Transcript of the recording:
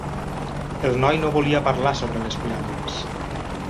El noi no volia parlar sobre les piràmides.